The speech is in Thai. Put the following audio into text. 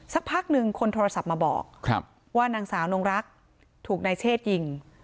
สักพักหนึ่งคนโทรศัพท์มาบอกว่านางสาวนงรักถูกนายเชษยิง